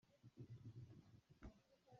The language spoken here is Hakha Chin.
Sizung lei in zohkhenh mi an um maw?